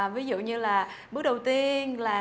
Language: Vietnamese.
ví dụ như là bước đầu tiên là làm đầy